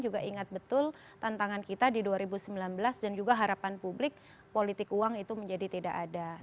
juga ingat betul tantangan kita di dua ribu sembilan belas dan juga harapan publik politik uang itu menjadi tidak ada